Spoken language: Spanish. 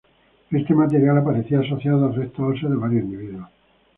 Este material aparecía asociado a restos óseos de varios individuos.